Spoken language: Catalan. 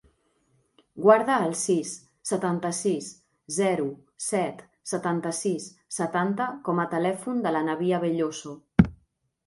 Guarda el sis, setanta-sis, zero, set, setanta-sis, setanta com a telèfon de l'Anabia Belloso.